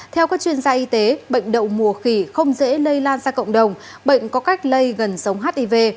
theo các chuyên gia y tế bệnh đậu mùa khỉ không dễ lây lan ra cộng đồng bệnh có cách lây gần sống hiv